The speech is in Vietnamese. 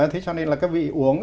thế cho nên là các vị uống